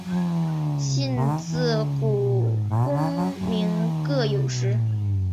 信自古功名各有时。